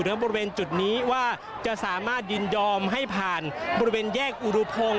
บริเวณจุดนี้ว่าจะสามารถยินยอมให้ผ่านบริเวณแยกอุรุพงศ์